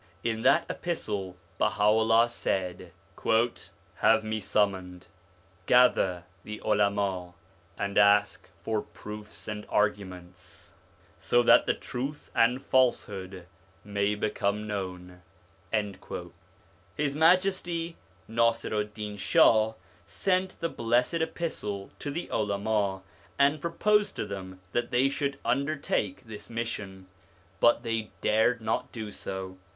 In that epistle Baha'ullah said: 'Have me summoned, gather the Ulama, and ask for proofs and arguments, so that the truth and falsehood may become known.' H.M. Nasiru'd Din Shah sent the blessed epistle to the Ulama and proposed to them that they should under take this mission, but they dared not do so.